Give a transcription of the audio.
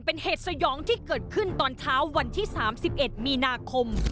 เป็นเหตุสยองที่เกิดขึ้นตอนเช้าวันที่๓๑มีนาคม